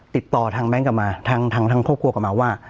ติดต่อทางแบงค์กลับมาทางครอบครัวกลับมาว่า